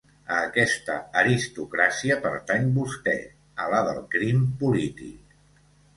A aquesta aristocràcia pertany vostè, a la del crim polític.